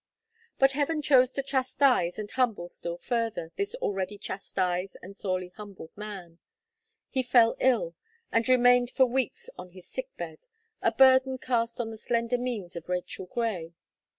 But Heaven chose to chastise and humble still further, this already chastised and sorely humbled man. He fell ill, and remained for weeks on his sick bed, a burden cast on the slender means of Rachel Gray.